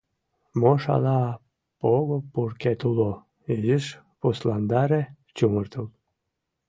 Мо шала пого-пуркет уло, изиш пусландаре, чумыртыл.